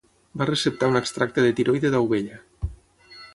Va receptar un extracte de tiroide d'ovella.